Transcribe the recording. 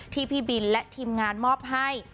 พี่บินและทีมงานมอบให้